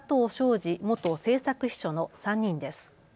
志元政策秘書の３人です。